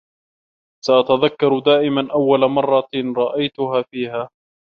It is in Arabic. سأتذكر دائما أول مرة رأيتها فيها.